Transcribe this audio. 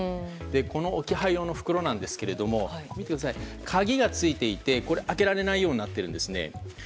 この置き配用の袋なんですが鍵がついていて開けられないようになっているんですね。